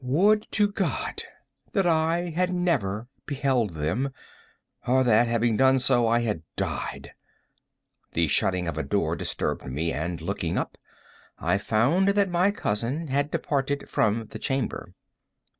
Would to God that I had never beheld them, or that, having done so, I had died! The shutting of a door disturbed me, and, looking up, I found that my cousin had departed from the chamber.